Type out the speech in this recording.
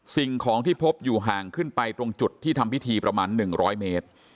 สิ่งของที่พบอยู่ห่างขึ้นไปตรงจุดที่ทำพิธีประมาณ๑๐๐เมตร